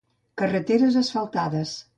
Carreteres asfaltades.